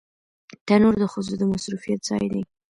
تنور د ښځو د مصروفيت ځای دی